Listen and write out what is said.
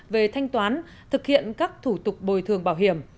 về thanh toán thực hiện các thủ tục bồi thường bảo hiểm